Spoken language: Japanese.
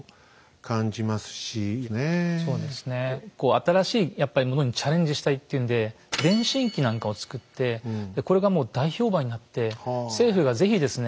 そうですね新しいやっぱりものにチャレンジしたいっていうんで電信機なんかを作ってこれがもう大評判になって政府が是非ですね